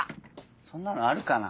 そんなのあるかな？